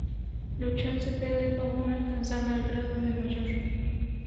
Luchó en Cepeda y Pavón, alcanzando el grado de mayor.